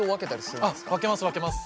分けます分けます。